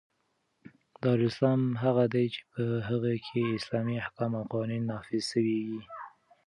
دارالاسلام هغه دئ، چي په هغي کښي اسلامي احکام او قوانینو نافظ سوي يي.